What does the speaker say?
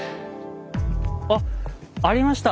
あっありました